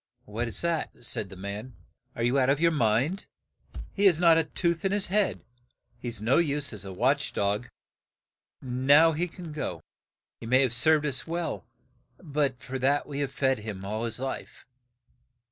"What is that?' said the man. "Are you out of your mind ? He has not a tooth in his head ; he is of no use as a watch dog, and now he can go. He may have served us well, but for that we have fed him all his life."